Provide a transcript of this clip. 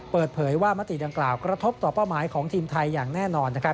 เปิดเผยว่ามติดังกล่าวกระทบต่อเป้าหมายของทีมไทยอย่างแน่นอน